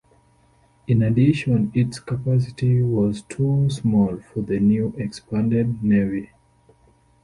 In addition its capacity was too small for the new expanded navy.